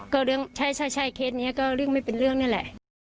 ก็เรื่องใช่ใช่ใช่เคสเนี่ยก็เรื่องไม่เป็นเรื่องนั่นแหละ